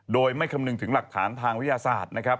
โดยไม่คำนึงถึงหลักฐานทางวิทยาศาสตร์นะครับ